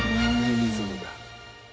リズムが。